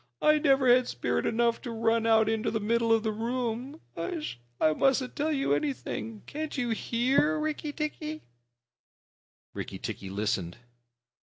"I never had spirit enough to run out into the middle of the room. H'sh! I mustn't tell you anything. Can't you hear, Rikki tikki?" Rikki tikki listened.